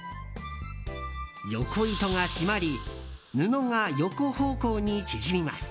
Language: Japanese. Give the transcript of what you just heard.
横糸が締まり布が横方向に縮みます。